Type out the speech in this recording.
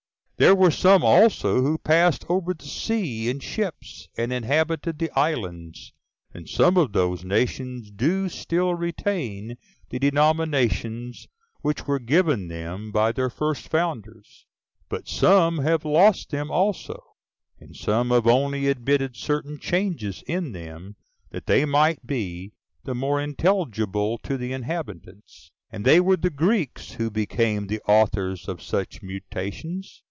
There were some also who passed over the sea in ships, and inhabited the islands: and some of those nations do still retain the denominations which were given them by their first founders; but some have lost them also, and some have only admitted certain changes in them, that they might be the more intelligible to the inhabitants. And they were the Greeks who became the authors of such mutations.